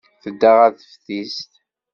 Tedda ɣer teftist.